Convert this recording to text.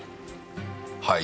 はい？